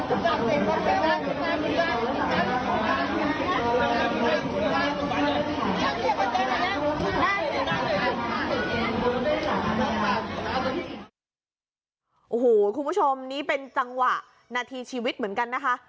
โอ้โหคุณผู้ชมนี่เป็นจังหวะนาทีชีวิตเหมือนกันนะคะ